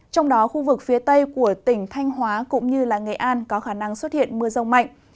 trong đó khu vực phía tây của tỉnh thanh hóa cũng như nghệ an có khả năng xuất hiện mưa rông mạnh